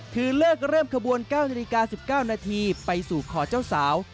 คือเลิกเริ่มขบวน๙นาฬิกา๑๙นาทีไปสู่ขอเจ้าสาว